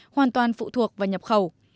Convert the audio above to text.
hoàn toàn phụ thuộc vào nhập khẩu